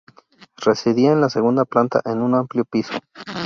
Residía en la segunda planta en un amplio piso.